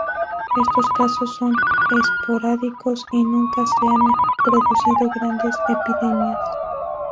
Estos casos son esporádicos y nunca se han producido grandes epidemias.